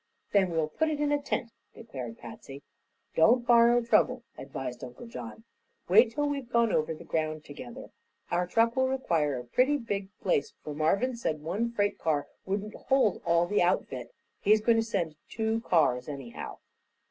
"Then we'll put it in a tent," declared Patsy. "Don't borrow trouble," advised Uncle John. "Wait till we've gone over the ground together. Our truck will require a pretty big place, for Marvin said one freight car wouldn't hold all the outfit. He's going to send two cars, anyhow."